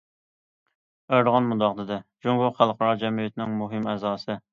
ئەردوغان مۇنداق دېدى: جۇڭگو خەلقئارا جەمئىيەتنىڭ مۇھىم ئەزاسى.